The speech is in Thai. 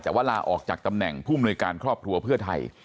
แต่ว่าลาออกจากตำแหน่งผู้มนุยการครอบครัวเพื่อไทย